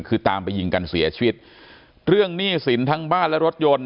คือตามไปยิงกันเสียชีวิตเรื่องหนี้สินทั้งบ้านและรถยนต์